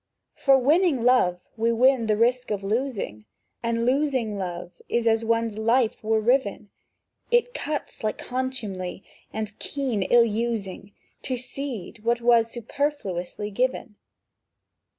For winning love we win the risk of losing, And losing love is as one's life were riven; It cuts like contumely and keen ill using To cede what was superfluously given.